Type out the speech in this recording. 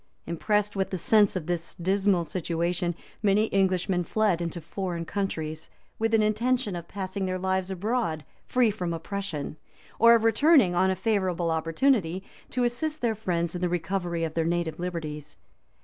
Impressed with the sense of this dismal situation, many Englishmen fled into foreign countries, with an intention of passing their lives abroad free from oppression, or of returning, on a favorable opportunity, to assist their friends in the recovery of their native liberties.